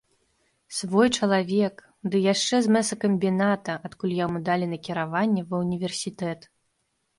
Свой чалавек, ды яшчэ з мясакамбіната, адкуль яму далі накіраванне ва ўніверсітэт!